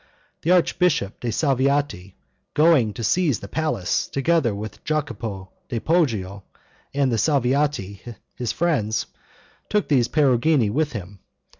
The Archbishop de' Salviati, going to seize the palace, together with Jacopo di Poggio, and the Salviati, his friends, took these Perugini with him.